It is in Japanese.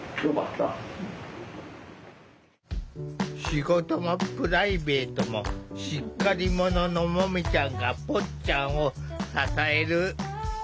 仕事もプライベートもしっかりもののもみちゃんがぽっちゃんを支える。